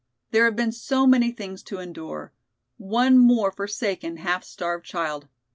"There have been so many things to endure. One more forsaken, half starved child!